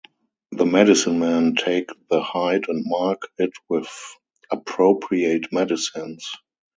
The medicine-men take the hide and mark it with appropriate medicines.